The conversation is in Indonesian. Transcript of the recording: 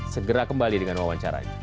dan segera kembali dengan wawancaranya